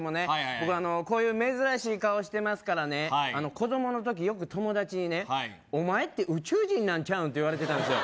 僕こういう珍しい顔してますからね子供の時よく友達にねお前って宇宙人なんちゃうんって言われてたんですよ